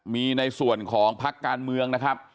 มีในส่วนของพักการเมืองนะครับ